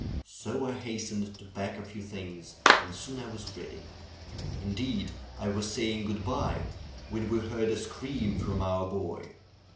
So I hastened to pack a few things, and soon I was ready. Indeed, I was saying good by, when we heard a scream from our boy.